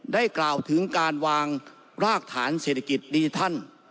กล่าวถึงการวางรากฐานเศรษฐกิจดิทัน